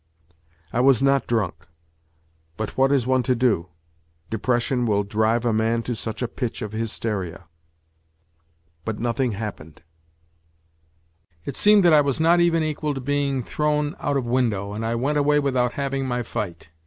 I was not drunk but what is one to do depression will drive a man to such a pitch of hysteria ? But nothing happened NOTES FROM UNDERGROUND 87 It seemed that I was not even equal to being thrown out of window and I went away without having my fight.